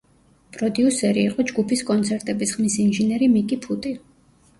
პროდიუსერი იყო ჯგუფის კონცერტების ხმის ინჟინერი მიკი ფუტი.